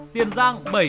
tiền giang bảy